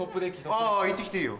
あぁ行って来ていいよ。